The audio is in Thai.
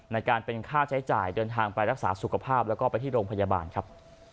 ในการเป็นค่าใช้จ่ายเดินทางไปรักษาสุขภาพแล้วก็ไปที่โรงพยาบาลครับ